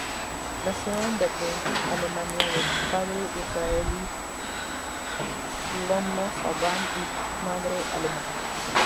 Nació en Berlín, Alemania de padre israelí, Shlomo Saban, y de madre alemana.